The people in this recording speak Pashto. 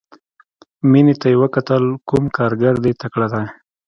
مينې ته يې وکتل کوم کارګر دې تکړه دى.